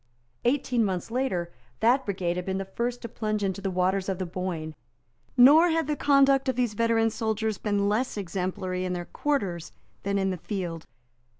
Eighteen months later, that brigade had been the first to plunge into the waters of the Boyne. Nor had the conduct of these veteran soldiers been less exemplary in their quarters than in the field.